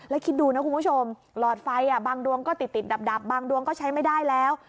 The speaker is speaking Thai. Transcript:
แล้วคิดดูนะคุณผู้ชมหลอดไฟบางดวงก็ติดดับบางดวงก็ใช้ไม่ได้แล้ว